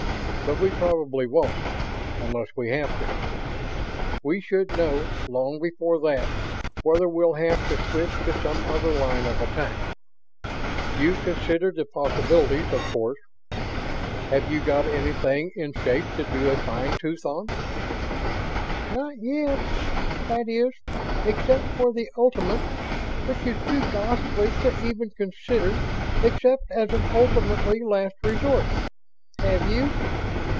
But we probably won't ... unless we have to. We should know, long before that, whether we'll have to switch to some other line of attack. You've considered the possibilities, of course. Have you got anything in shape to do a fine tooth on?" "Not yet. That is, except for the ultimate, which is too ghastly to even consider except as an ultimately last resort. Have you?"